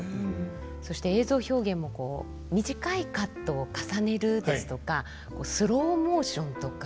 そして映像表現も短いカットを重ねるですとかスローモーションとか。